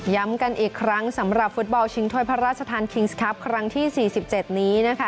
ย้ำกันอีกครั้งสำหรับฟุตบอลชิงโทยพระราชธรรมครั้งที่๔๗นี้